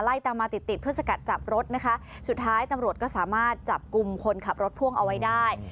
ตามมาติดติดเพื่อสกัดจับรถนะคะสุดท้ายตำรวจก็สามารถจับกลุ่มคนขับรถพ่วงเอาไว้ได้